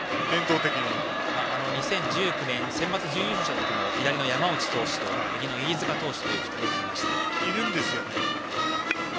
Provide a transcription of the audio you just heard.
２０１９年のセンバツ準優勝した時の左の山内投手と右の飯塚投手という２人がいました。